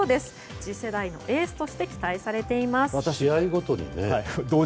次世代のエースとして期待されています。